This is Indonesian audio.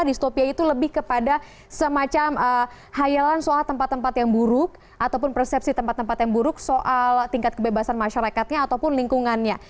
distopia itu lebih kepada semacam hayalan soal tempat tempat yang buruk ataupun persepsi tempat tempat yang buruk soal tingkat kebebasan masyarakatnya ataupun lingkungannya